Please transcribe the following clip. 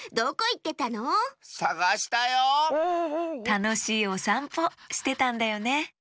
たのしいおさんぽしてたんだよね！